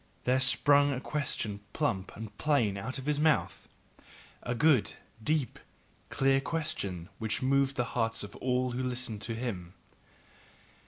there sprang a question plump and plain out of his mouth, a good, deep, clear question, which moved the hearts of all who listened to him.